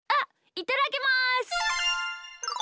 いただきます！